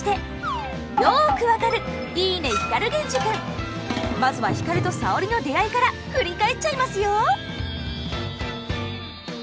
題してまずは光と沙織の出会いから振り返っちゃいますよ。